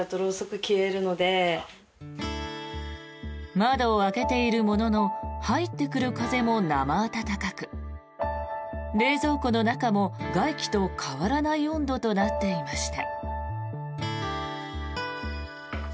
窓を開けているものの入ってくる風も生暖かく冷蔵庫の中も外気と変わらない温度となっていました。